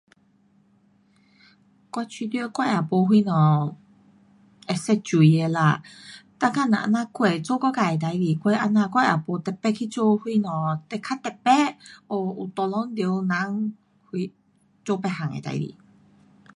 我觉得我也没什么会骄傲的啦，每天只这样过，做我自的事情，我这样，我也没特别去做什么会较特别，有 tolong 到人什做别样的事情。